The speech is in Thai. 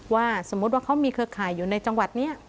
สมมุติว่าเขามีเครือข่ายอยู่ในจังหวัดนี้